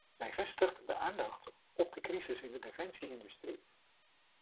Zij vestigt de aandacht op de crisis in de defensie-industrie.